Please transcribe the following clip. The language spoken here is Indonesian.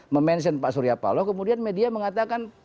memention pak suryapalo kemudian media mengatakan